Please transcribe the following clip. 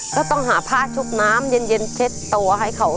ก็ต้องหาผ้าชุบน้ำเย็นเช็ดตัวให้เขา